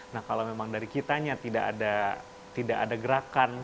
nah kalau memang dari kitanya tidak ada gerakan